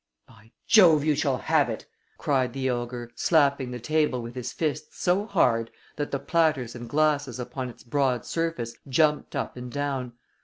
"By Jove, you shall have it!" cried the ogre, slapping the table with his fists so hard that the platters and glasses upon its broad surface jumped up and down.